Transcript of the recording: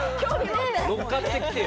向かってきてよ。